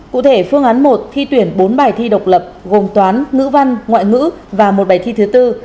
cụ thể phương án một thi tuyển bốn bài thi độc lập gồm toán ngữ văn ngoại ngữ và một bài thi thứ tư